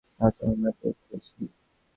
তা তো আমরা দেখেছিই।